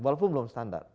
walaupun belum standar